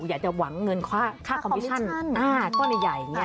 อยากจะหวังเงินค่าคอมมิชชั่นก้อนใหญ่อย่างนี้